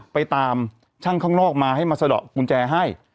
ไปตามช่างข้างนอกมาให้มาสะดอกกุญแจให้